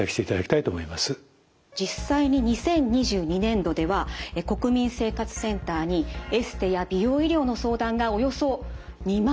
実際に２０２２年度では国民生活センターにエステや美容医療の相談がおよそ２万６，０００件寄せられました。